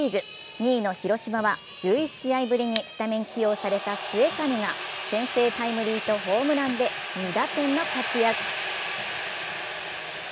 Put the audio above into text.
２位の広島は１１試合ぶりにスタメン起用された末包が先制タイムリーとホームランで２打点の活躍。